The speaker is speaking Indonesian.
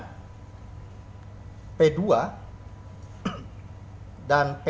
pidana penjara seumur hidup